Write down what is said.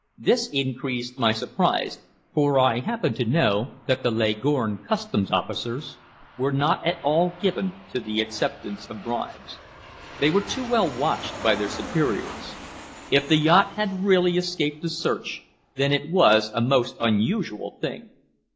This increased my surprise, for I happened to know that the Leghorn Customs officers were not at all given to the acceptance of bribes. They were too well watched by their superiors. If the yacht had really escaped a search, then it was a most unusual thing.